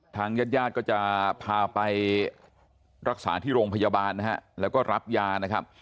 ทางญาติญาติก็จะพาไปรักษาที่โรงพยาบาลนะฮะแล้วก็รับยานะครับ